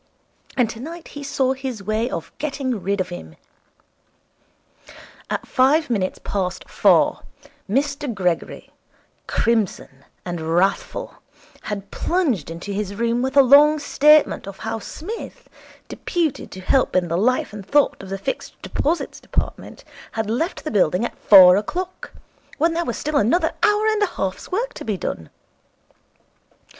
And tonight he saw his way of getting rid of him. At five minutes past four Mr Gregory, crimson and wrathful, had plunged into his room with a long statement of how Psmith, deputed to help in the life and thought of the Fixed Deposits Department, had left the building at four o'clock, when there was still another hour and a half's work to be done.